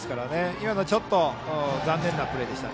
今のちょっと残念なプレーでした。